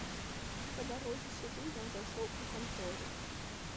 Па дарозе сюды ён зайшоў у кантору.